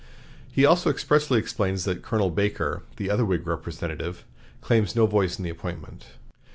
He also expressly explains that Colonel Baker, the other Whig representative, claims no voice in the appointment.